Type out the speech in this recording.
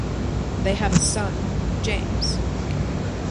They have a son, James.